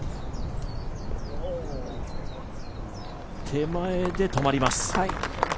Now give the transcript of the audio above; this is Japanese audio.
手前で止まります。